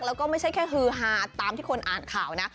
แล้วก็ไม่ใช่แค่ฮือฮาตามที่คนอ่านข่าวนะ